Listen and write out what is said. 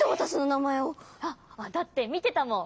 あっだってみてたもん